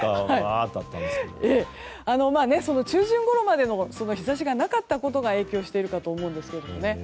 中旬ごろまで日差しがなかったことが影響しているかと思うんですがね。